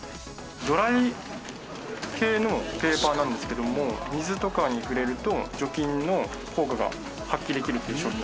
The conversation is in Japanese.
ドライ系のペーパーなんですけども水とかに触れると除菌の効果が発揮できるという商品になってます。